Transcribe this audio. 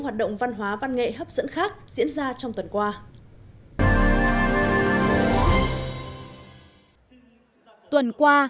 hoạt động văn hóa văn nghệ hấp dẫn khác diễn ra trong tuần qua à à ở tuần qua